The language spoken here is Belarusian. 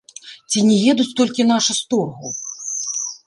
Ці не едуць толькі нашы з торгу!